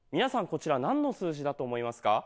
こちら何の数字だと思いますか？